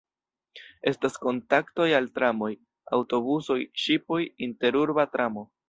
Estas kontaktoj al tramoj, aŭtobusoj, ŝipoj, interurba tramo.